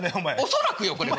恐らくよこれは。